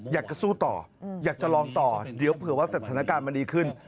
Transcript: อยากจะสู้ต่ออยากจะลองต่อเดี๋ยวเผื่อว่าสถานการณ์มันดีขึ้น